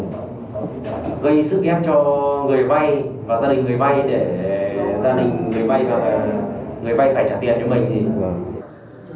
gây sức ép cho người vay và gia đình người vay để gia đình người vay phải trả tiền cho mình